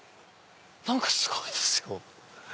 何かすごいですよ！